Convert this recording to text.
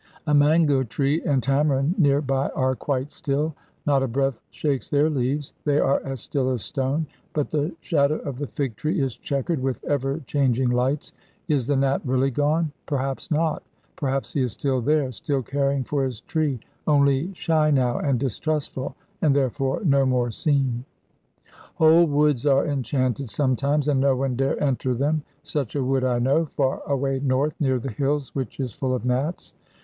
A mango tree and tamarind near by are quite still. Not a breath shakes their leaves; they are as still as stone, but the shadow of the fig tree is chequered with ever changing lights. Is the Nat really gone? Perhaps not; perhaps he is still there, still caring for his tree, only shy now and distrustful, and therefore no more seen. Whole woods are enchanted sometimes, and no one dare enter them. Such a wood I know, far away north, near the hills, which is full of Nats.